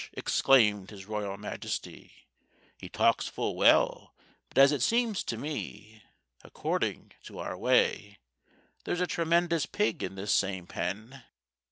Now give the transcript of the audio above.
exclaimed his Royal Majesty, "He talks full well, but as it seems to me, According to our way, There's a tremendous pig in this same Penn."